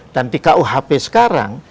dan di rkuhp sekarang